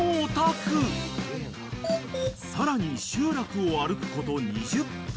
［さらに集落を歩くこと２０分］